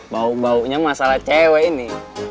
bau baunya masalah cewek ini